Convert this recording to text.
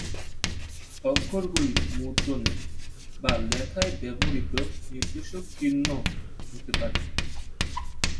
অক্ষরগুলি মুদ্রণে বা লেখায় ব্যবহৃত নির্দেশক চিহ্ন-ও হতে পারে।